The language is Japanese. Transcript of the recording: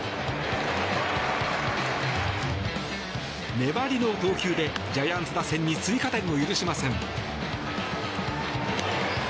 粘りの投球でジャイアンツ打線に追加点を許しません。